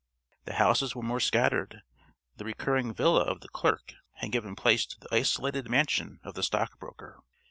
The houses were more scattered; the recurring villa of the clerk had given place to the isolated mansion of the stockbroker.